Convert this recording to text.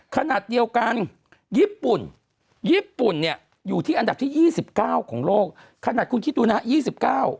ขนาดเดียวกันญี่ปุ่นญี่ปุ่นเนี่ยอยู่ที่อันดับที่๒๙ของโลกขนาดคุณคิดดูนะฮะ